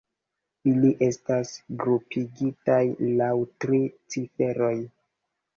Ili estas grupigitaj laŭ tri ciferoj.